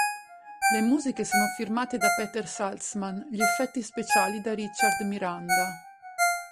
Le musiche sono firmate da Peter Saltzman, gli effetti speciali da Richard Miranda.